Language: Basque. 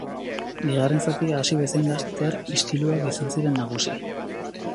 Bigarren zatia hasi bezain laster istiluak izan ziren nagusi.